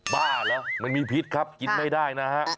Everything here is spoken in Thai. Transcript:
บ้าเหรอมันมีพิษครับกินไม่ได้นะฮะ